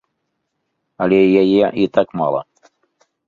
Але яе і так мала.